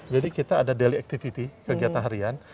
jadi kita ada daily activity kegiatan harian